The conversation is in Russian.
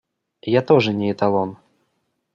Я тоже не эталон.